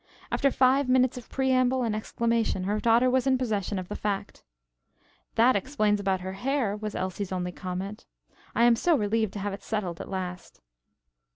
After five minutes of preamble and exclamation, her daughter was in possession of the fact. "That explains about her hair," was Elsie's only comment. "I am so relieved to have it settled at last."